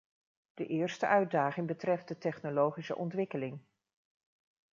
De eerste uitdaging betreft de technologische ontwikkeling.